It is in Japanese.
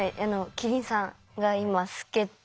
キリンさんが今透けて。